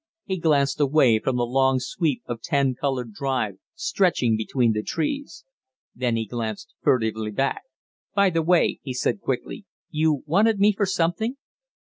He glanced away across the long sweep of tan covered drive stretching between the trees; then he glanced furtively back. "By the way," he said, quickly, "you wanted me for something?"